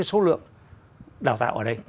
số lượng đào tạo ở đây